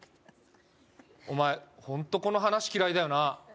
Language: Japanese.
お前、ホントこの話嫌いだよな。